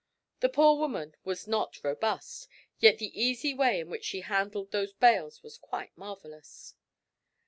The poor woman was not robust, yet the easy way in which she handled those bales was quite marvellous.